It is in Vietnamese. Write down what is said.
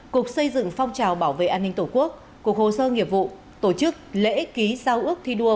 cục xây dựng phong trào bảo vệ an ninh tổ quốc cục hồ sơ nghiệp vụ tổ chức lễ ký giao ước thi đua